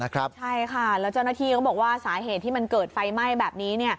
ใช่ค่ะแล้วเจ้าหน้าที่ก็บอกว่าสาเหตุที่มันเกิดไฟไหม้แบบนี้